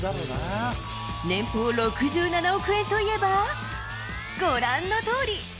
年俸６７億円といえば、ご覧のとおり。